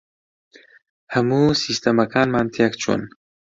هەموو سیستەمەکانمان تێک چوون.